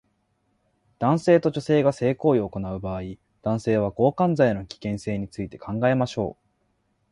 男性と女性が性行為を行う場合、男性は強姦罪の危険性について考えましょう